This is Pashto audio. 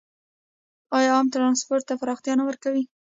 آیا عام ټرانسپورټ ته پراختیا نه ورکوي؟